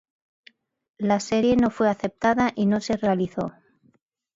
La serie no fue aceptada y no se realizó.